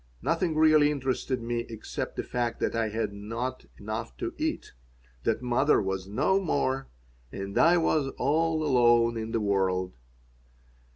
Nothing really interested me except the fact that I had not enough to eat, that mother was no more, that I was all alone in the world.